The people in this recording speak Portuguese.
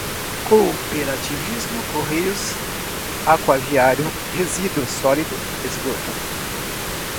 remanufaturado, atacado, varejo, cooperativismo, correios, aquaviário, resíduo sólido, esgoto